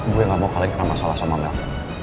gue gak mau kalian kena masalah sama mel